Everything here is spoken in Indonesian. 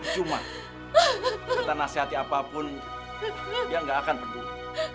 cuma kita nasihati apapun dia nggak akan peduli